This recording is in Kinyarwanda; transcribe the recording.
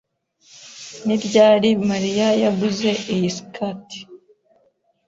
Ni ryari Mariya yaguze iyi skirt?